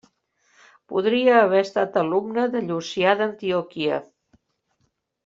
Podria haver estat alumne de Llucià d'Antioquia.